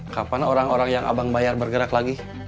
kapan orang orang yang abang bayar bergerak lagi